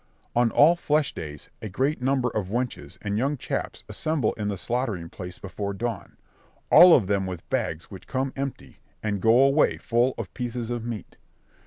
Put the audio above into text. On all flesh days, a great number of wenches and young chaps assemble in the slaughtering place before dawn, all of them with bags which come empty and go away full of pieces of meat.